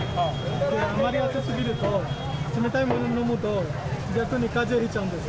あまり暑すぎると、冷たいもの飲むと、逆にかぜをひいちゃうんです。